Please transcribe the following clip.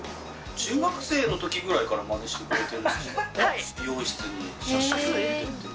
中学生のときぐらいからまねしてくれてるんでしょう。